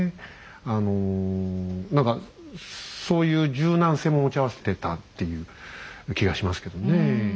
あの何かそういう柔軟性も持ち合わせてたっていう気がしますけどね。